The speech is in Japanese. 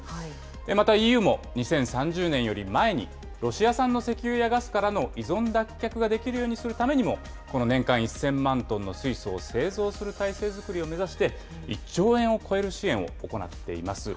またＥＵも、２０３０年より前に、ロシア産の石油やガスからの依存脱却ができるようにするためにも、この年間１０００万トンの水素を製造する体制作りを目指して１兆円を超える支援を行っています。